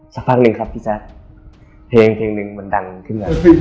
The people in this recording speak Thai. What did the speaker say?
สักพักหนึ่งครับพี่แจ๊คเพลงเพลงหนึ่งมันดังขึ้นมา